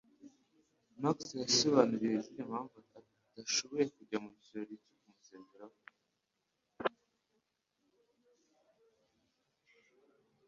Max yasobanuriye Julie impamvu adashobora kujya mu kirori cyo kumusezeraho.